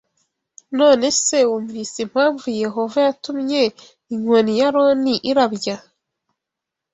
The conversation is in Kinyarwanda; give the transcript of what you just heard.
None se wumvise impamvu Yehova yatumye inkoni ya Aroni irabya